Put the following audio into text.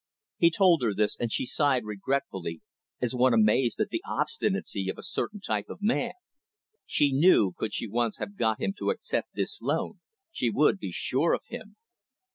He told her this, and she sighed regretfully, as one amazed at the obstinacy of a certain type of man. She knew, could she once have got him to accept this loan, she would be sure of him.